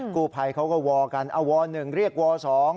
กู้ภัยเขาก็ว่ากันว่าหนึ่งเรียกว่าสอง